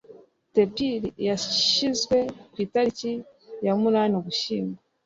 tpir yashinzwe ku itariki ya munani ugushyingo